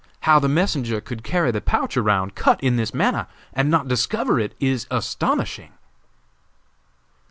How the messenger could carry the pouch around, cut in this manner, and not discover it, is astonishing!'